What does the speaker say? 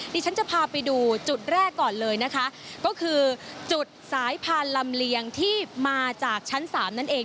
ดิฉันจะพาไปดูจุดแรกก่อนเลยนะคะก็คือจุดสายพานลำเลียงที่มาจากชั้นสามนั่นเอง